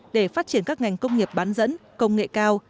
để phát triển các ngành công nghiệp bán dẫn công nghệ cao